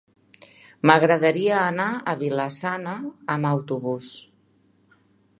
M'agradaria anar a Vila-sana amb autobús.